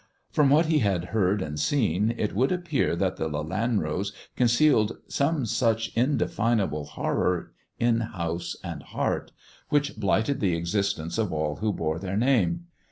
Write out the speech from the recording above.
From what he had heard and seen, it would appear that the Lelanros concealed some such indefinable horror in house and heart, which blighted the existence of all who bore their name.